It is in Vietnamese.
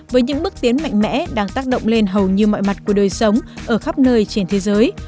với những bước tiến mạnh mẽ đang tác động lên hầu như mọi mặt của đời sống ở khắp nơi trên thế giới